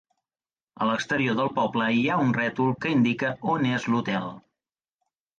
A l'exterior del poble hi ha un rètol que indica on és l'hotel.